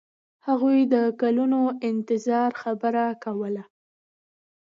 هغوی د کلونو انتظار خبره کوله.